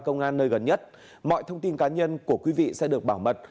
cơ quan công an nơi gần nhất mọi thông tin cá nhân của quý vị sẽ được bảo mật